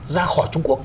ra khỏi trung quốc